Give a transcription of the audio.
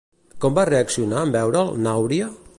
Com va reaccionar en veure'l, n'Àuria?